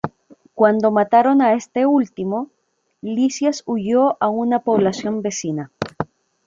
Cuando mataron a este último, Lisias huyó a una población vecina.